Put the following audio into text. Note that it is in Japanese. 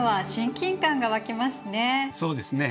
そうですね。